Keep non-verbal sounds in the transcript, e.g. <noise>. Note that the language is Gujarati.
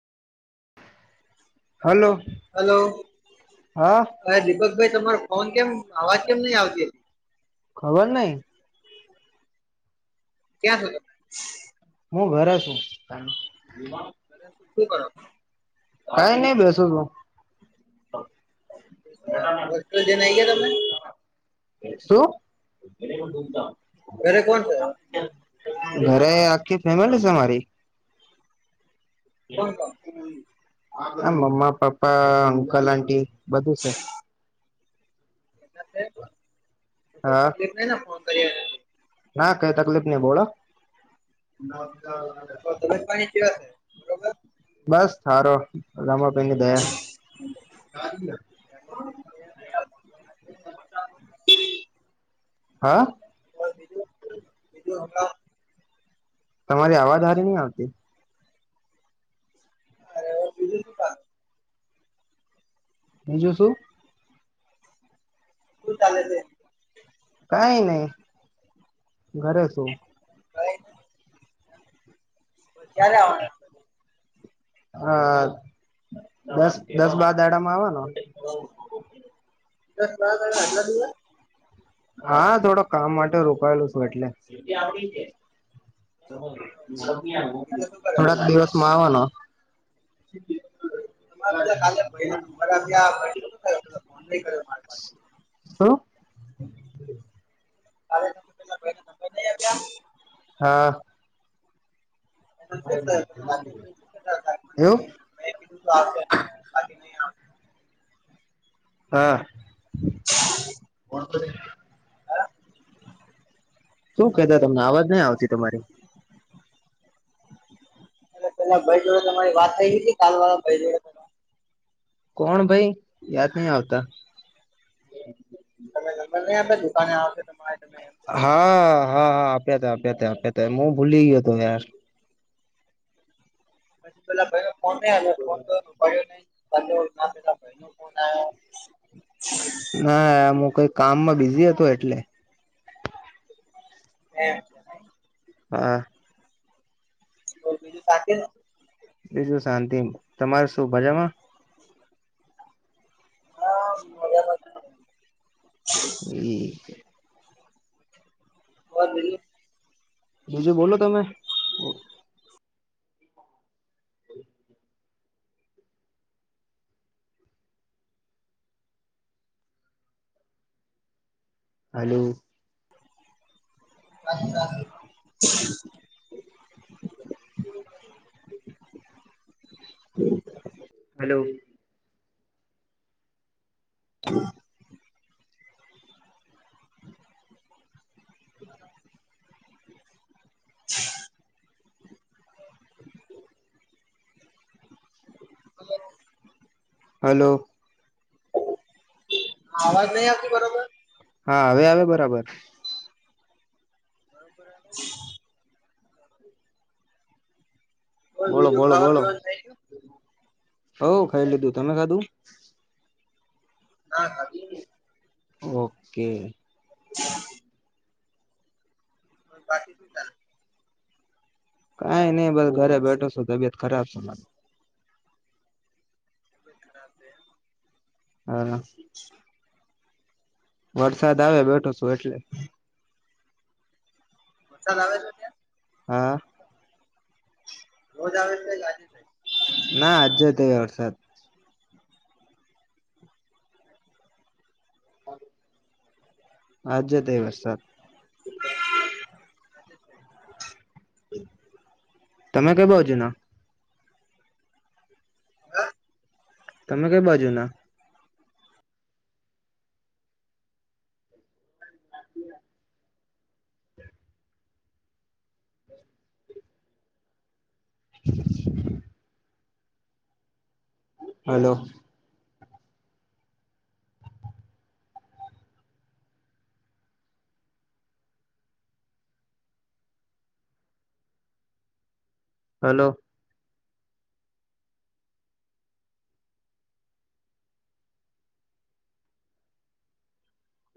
હલો હલો હા દીપક ભાઈ તમારો ફોન કેમ અવાજ કેમ નહી આવતી? ખબર નઈ ક્યાં થતો? હું ઘરે છું. શું કર કઈ નઈ બેસો સુ. હોસ્ટેલ જઈને આઈ ગયા તમે શું? ઘરે કોણ છે ઘરે આખી ફેમિલી છે અમારી કોણ કોણ મ્મા પાપા અંકલ આંટી બધું છે બધા છે? તો કઈ હા તકલીફ નઈ ને ફોન કરી. ના કઈ તકલીફ નહી બોલો તો ધ પાની કેવા છે બરોબર બસ સારો અમ પને દયા એમાં તો <inaudible> હા. બીજ બીજું હમભળાવો. તમારી અવાજ હારી નહી આવતી અરે બીજું <unintelligible> બીજું શું? શું ચાલે છે? કાઈ નઈ, ઘરે શું. <unintelligible> ક્યારે આવાના? <unintelligible> હન, દસ-દસ બાર દાડામ આવાનો. દસ-બાર દાડા આટલા દિવસ? હા, થોડો કામ માટે રોકાયેલો શું એટલે. બીજું શું <unintelligible> કરે છે થોડાક દિવસમાં આવાનો. તમાર પેલા કાલે ભયરૂ <unintelligible> ભયરૂ તું ને એટલ. લઈ ગયો માલ માંથી. શું <inaudible> કાલે જ પેરિયુ બદલાવી આવ જા. હા. શું કેતા હતા મને એઉ. મેં કીધું તો આવશે બાકી નહી આવશે હા. શું કેતા તમને અવાજ નહી આવતી તમારી. <inaudible> પેલા ભઈ જોડે તમારી વાત થઈ ગઈ હતી, કાલ વાળા ભઈ જોડે. કોણ ભઈ યાદ નહી આવતા. <unintelligible> આપે દુકાને આવેશે તમારે. તમે એમ કીધું હતું હા, હા આપ્યા તા. આપ્યા તા. આપ્યા તા. મુ ભૂલી ગ્યો તો યાર. પસી પેલા ભઈ ને ફોન નઈ આયો. ફોન કર્યો તો ઉપાડ્યો નઈ. <unintelligible> ભઈનો ફોન આયો. ના, મુ કઈ કામમાં બિઝી હતો એટલે. એમ છે નઈ. હા. તો બીજું શાંતિને? બીજું શાંતિ. તમાર શું મજામાં? અબ, મજામાં જ છીએ. એ. <unintelligible> બીજું, બોલો તમે? હલો. <unintelligible> <inaudible> <inaudible> <unintelligible> <inaudible> <inaudible> હલો. હલો. આવાજ નઈ આવતી બરોબર? હા, હવે આવે બરાબર. બરોબર આવે? કોઈ બોલો, બીજું બોલો, ખાવા બોલો. પીવાનું થઈ ગયું હવ, ખઈ લીધું. તમે ખાધું? ના, ખાધું ખાધું. ઓકે. <inaudible> અન, બાકી શું ચાલે? કાઈ ની બસ ઘરે બેઠો શુ, તબિયત ખરાબ શે મારી. તબિયત ખરાબ સે એમ. હલો. વરસાદ આવે, બેઠો સુ એટલે મસાાલ આવે છે ત્યાં. હા. રોજ આવે કાઈ લજે ભાઈ. ના આજે તે વરસાદ આજ તે એ વરસાદ. <inaudible> તમે કઈ બાોજો ના. <unintelligible> તમે કઈ બાજુ ના? <inaudible> હલો. હલો.